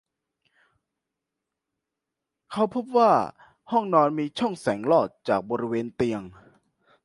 เขาพบว่าห้องนอนมีช่องแสงลอดจากบริเวณเตียง